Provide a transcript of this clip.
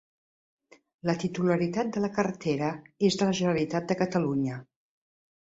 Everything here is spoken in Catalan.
La titularitat de la carretera és de la Generalitat de Catalunya.